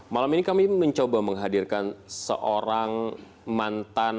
malam ini kami mencoba menghadirkan seorang mantan